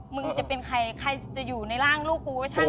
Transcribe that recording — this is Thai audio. มึงจะเป็นใครใครจะอยู่ในร่างลูกกูก็ช่าง